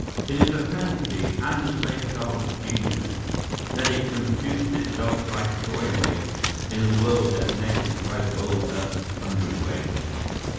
It is the penalty and the safeguard of genius that it computes itself by troy weight in a world that measures by vulgar hundredweights.